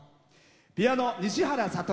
ピアノ、西原悟。